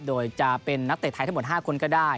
โดยจะเป็นนักเตะไทยทั้งหมด๕คนก็ได้